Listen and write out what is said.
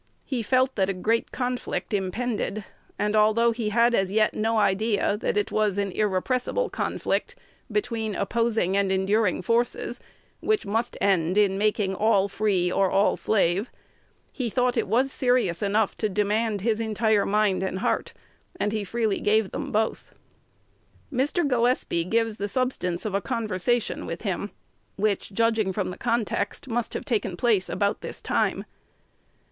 He felt that a great conflict impended; and, although he had as yet no idea that it was an "irrepressible conflict between opposing and enduring forces," which must end in making all free or all slave, he thought it was serious enough to demand his entire mind and heart; and he freely gave them both. Mr. Gillespie gives the substance of a conversation with him, which, judging from the context, must have taken place about this time.